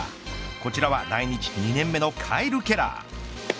こちらは来日２年目のカイル・ケラー。